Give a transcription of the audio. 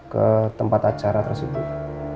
ke tempat acara tersebut